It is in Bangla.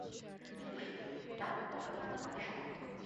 তিনি একটি গোষ্ঠীকে তিনি তার পক্ষাবলম্বন করাতে সক্ষম হন।